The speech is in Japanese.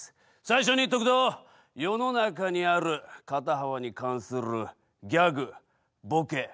最初に言っとくと世の中にある肩幅に関するギャグボケ